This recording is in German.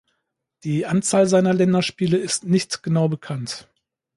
Die Anzahl seiner Länderspiele ist nicht genau bekannt.